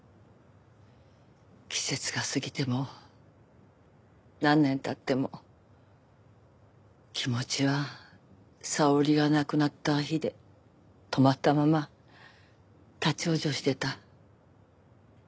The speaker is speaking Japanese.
季節が過ぎても何年経っても気持ちは沙織が亡くなった日で止まったまま立ち往生してた。